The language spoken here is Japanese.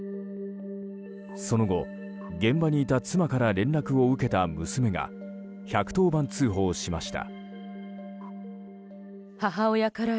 その後、現場にいた妻から連絡を受けた娘が１１０番通報をしました。